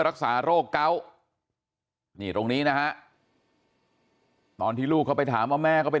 รักษาโรคเกาะนี่ตรงนี้นะฮะตอนที่ลูกเขาไปถามว่าแม่ก็ไป